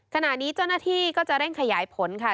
ขณะนี้เจ้าหน้าที่ก็จะเร่งขยายผลค่ะ